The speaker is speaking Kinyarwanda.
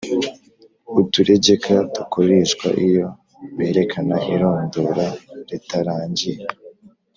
uturegeka dukoreshwa iyo berekana irondora ritarangiye,